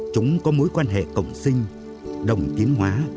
chúng có mối quan hệ cộng sinh đồng tiến hóa